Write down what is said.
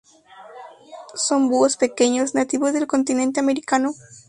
Son búhos pequeños, nativos del continente americano.